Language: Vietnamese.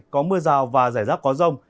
có mưa rào và rải rác có rông